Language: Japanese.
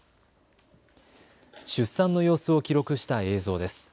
出産の様子を記録した映像です。